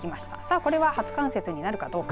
これは初冠雪になるかどうか。